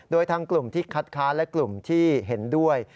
โดยทางกลุ่มที่คัดค้านและกลุ่มที่เห็นด้วย